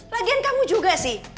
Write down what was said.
lagian kamu juga sih